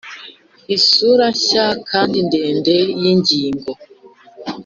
isura nshya kandi ndende yingingo.